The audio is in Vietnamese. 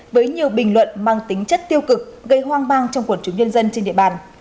với nhiều bình luận mang tính chất tiêu cực gây hoang mang trong quần chúng nhân dân trên địa bàn